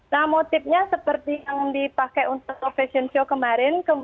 nah motifnya seperti yang dipakai untuk fashion show kemarin